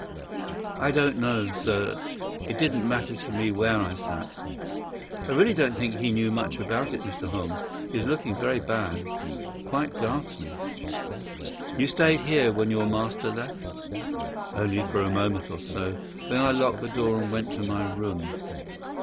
"I don't know, sir. It didn't matter to me where I sat." "I really don't think he knew much about it, Mr. Holmes. He was looking very bad—quite ghastly." "You stayed here when your master left?" "Only for a minute or so. Then I locked the door and went to my room."